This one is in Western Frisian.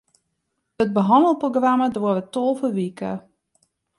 It behannelprogramma duorret tolve wiken.